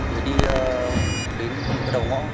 thì đi đến cái đầu ngõ